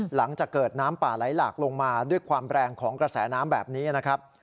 หลังจากเกิดน้ำป่าไหลหลากลงมาด้วยความแรงของกระแสน้ำแบบนี้นะครับ